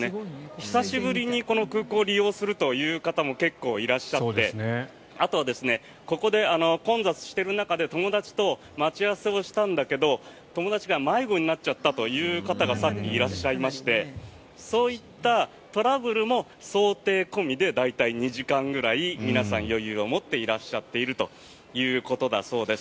久しぶりにこの空港を利用するという方も結構いらっしゃってあとは、混雑している中で友達と待ち合わせをしたんだけど友達が迷子になっちゃったという方がさっきいらっしゃいましてそういったトラブルも想定込みで大体２時間くらい皆さん余裕を持っていらっしゃっているということだそうです。